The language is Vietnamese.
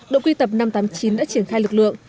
đội quy tập năm trăm tám mươi chín đã triển khai lực lượng